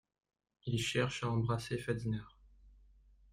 Il cherche à embrasser Fadinard.